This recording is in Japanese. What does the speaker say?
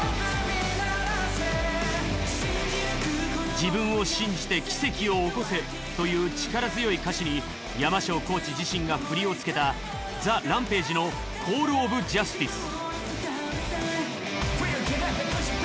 自分を信じて奇跡を起こせという力強い歌詞にＹＡＭＡＳＨＯコーチ自身が振りを付けたＴＨＥＲＡＭＰＡＧＥの『ＣＡＬＬＯＦＪＵＳＴＩＣＥ』。